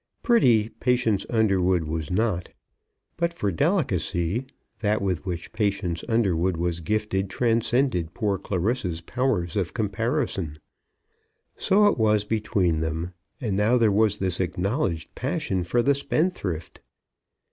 Pretty Patience Underwood was not; but for delicacy, that with which Patience Underwood was gifted transcended poor Clarissa's powers of comparison. So it was between them, and now there was this acknowledged passion for the spendthrift!